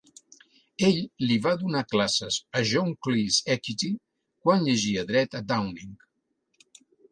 Ell li va donar classes a John Cleese Equity quan llegia dret a Downing.